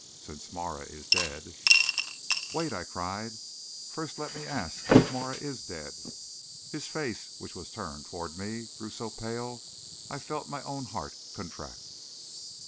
Since Marah is dead " "Wait!" I cried. "First let me ask if Marah is dead." His face, which was turned toward me, grew so pale I felt my own heart contract.